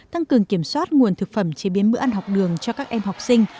tăng cường kiểm soát nguồn thực phẩm chế biến bữa ăn học đường cho các em học sinh